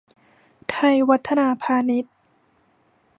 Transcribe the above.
ไทยวัฒนาพานิช